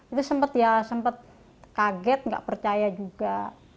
itu sempat ya sempat kaget nggak percaya juga